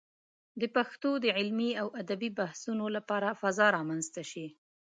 د پښتو د علمي او ادبي بحثونو لپاره فضا رامنځته شي.